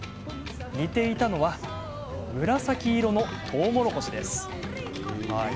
煮ていたのは紫色のとうもろこしです。